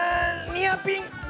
ニアピン！？